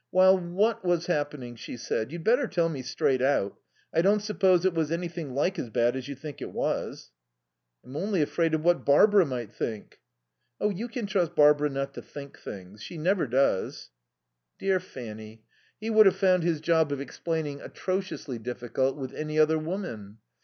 "While what was happening?" she said. "You'd better tell me straight out. I don't suppose it was anything like as bad as you think it was." "I'm only afraid of what Barbara might think." "Oh, you can trust Barbara not to think things. She never does." Dear Fanny. He would have found his job of explaining atrociously difficult with any other woman.